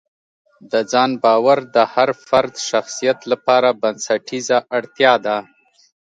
د ځان باور د هر فرد شخصیت لپاره بنسټیزه اړتیا ده.